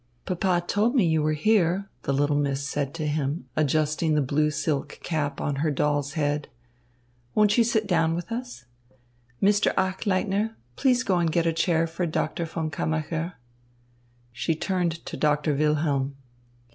"Papa told me you were here," the little miss said to him, adjusting the blue silk cap on her doll's head. "Won't you sit down with us? Mr. Achleitner, please go and get a chair for Doctor von Kammacher." She turned to Doctor Wilhelm.